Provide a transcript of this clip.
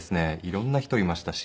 色んな人いましたし。